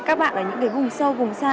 các bạn ở những cái vùng sâu vùng xa